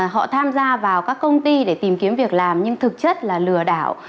họ tham gia vào các công ty để tìm kiếm việc làm nhưng thực chất là lừa đảo